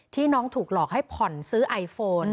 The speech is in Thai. น้องถูกหลอกให้ผ่อนซื้อไอโฟน